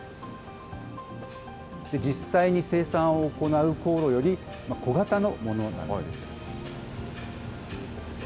実際に生産を行う高炉より小型のものなんです。